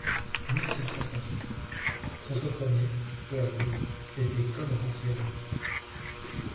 mille cinq cent trente-huit.) François Ier, peu à peu, était comme rentré en lui.